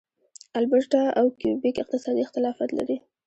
البرټا او کیوبیک اقتصادي اختلافات لري.